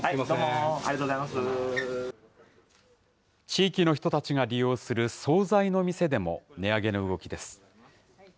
地域の人たちが利用する総菜の店でも値上げの動きです。